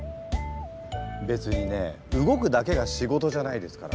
別にね動くだけが仕事じゃないですから。